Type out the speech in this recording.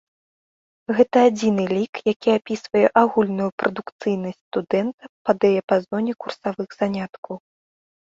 Гэта адзіны лік, які апісвае агульную прадукцыйнасць студэнта па дыяпазоне курсавых заняткаў.